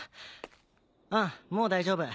うんもう大丈夫。